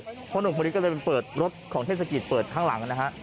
เพราะหนุ่มคนนี้ก็เลยไปเปิดรถของเทศกิจเปิดข้างหลังนะฮะ